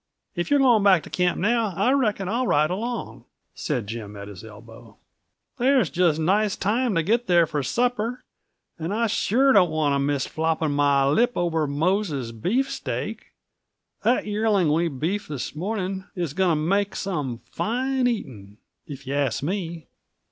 "If you're going back to camp now, I reckon I'll ride along," said Jim, at his elbow. "There's just nice time to get there for supper and I sure don't want to miss flopping my lip over Mose's beefsteak; that yearling we beefed this morning is going to make some fine eating, if you ask me."